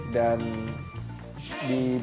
dan di balai